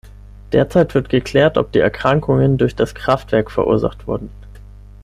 Derzeit wird geklärt, ob die Erkrankungen durch das Kraftwerk verursacht wurden.